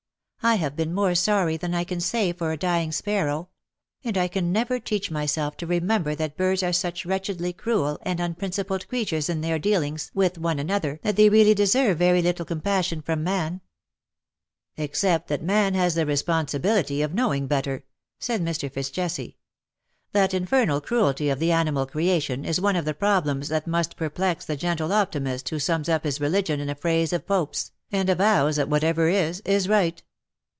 I have been more sorry than I can say for a dying sparrow ; and I can never teach myself to remember that birds are such wretchedly cruel and unprincipled creatures in their dealings with one another that they really deserve very little compas sion from man/^ "Except that man has the responsibility of knowing better/' said Mr. Eitz Jesse. '^ That infernal cruelty of the animal creation is one of the pro blems that must perplex the gentle optimist who sums up his religion in a phrase of Pope's, and avows that whatever is^ is right.